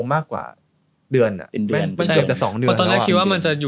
มันจะอยู่ได้ปั๊บเดียว